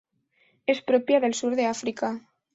Es propia del sur de África.